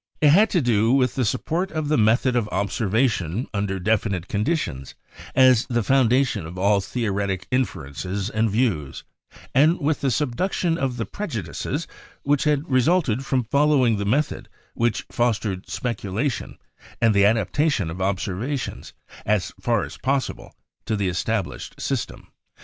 It had to do with the support of the method of observation under defi nite conditions as the foundation of all theoretic infer ences and views, and with the subduction of the prejudices which had resulted from following the method which fos tered speculation and the adaptation of observations, as far as possible, to the established system.